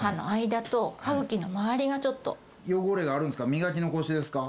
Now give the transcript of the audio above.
磨き残しですか？